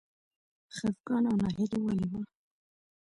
خپګان او ناهیلي ولې وه.